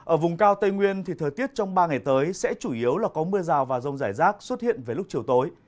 ở vùng cao tây nguyên thì thời tiết trong ba ngày tới sẽ chủ yếu là có mưa rào và rông rải rác xuất hiện về lúc chiều tối